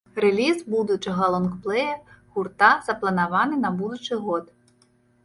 Рэліз будучага лонгплэя гурта запланаваны на будучы год.